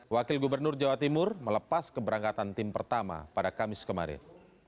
wakil gubernur jawa timur melepas keberangkatan tim pertama pada kamis kemarin